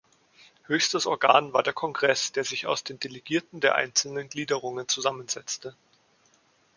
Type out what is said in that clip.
Höchstes Organ war der Kongress, der sich aus den Delegierten der einzelnen Gliederungen zusammensetzte.